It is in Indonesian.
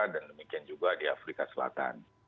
dan demikian juga di afrika selatan